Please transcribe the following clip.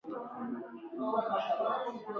په دې ټولنو کې د سوداګرو هېڅ ډلګۍ نه وه.